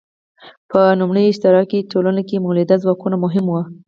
په لومړنیو اشتراکي ټولنو کې مؤلده ځواکونه مهم وو.